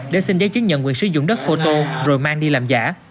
để xin giấy chứng nhận quyền sử dụng đất phô tô rồi mang đi làm giả